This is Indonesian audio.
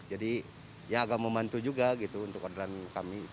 jadi ya agak membantu juga gitu untuk orderan kami gitu